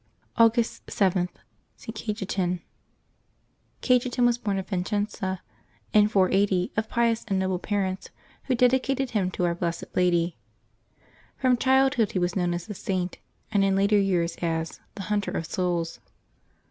August 7.— ST. CAJETAN. GAJETAN was born at Vicenza, in 1480, of pious and noble parents, who dedicated him to our blessed Lady. From childhood he was known as the Saint, and in later years as " the hunter of souls.